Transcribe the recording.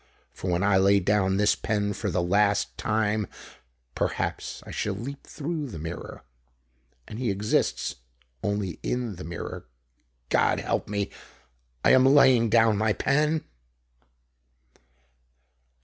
For when I lay down this pen, for the last time, perhaps, I shall leap through the mirror. And he exists only in the mirror. God help me! _I am laying down my pen!